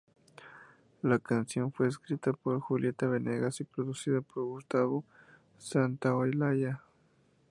La canción fue escrita por Julieta Venegas y producida por Gustavo Santaolalla.